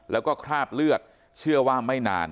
แล้วก็คราบเลือดเชื่อว่าไม่นาน